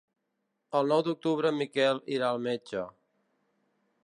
El nou d'octubre en Miquel irà al metge.